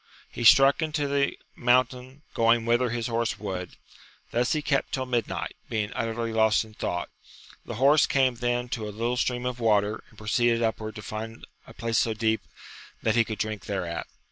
He struck into the moun tain, going whither his horse would. Thus he kept till midnight, being utterly lost in thought ; the horse came then to a little stream of water, and proceeded upward to 'find a place so deep that he could drink thereat.